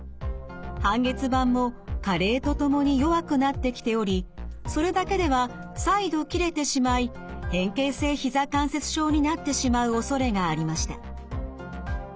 半月板も加齢とともに弱くなってきておりそれだけでは再度切れてしまい変形性ひざ関節症になってしまうおそれがありました。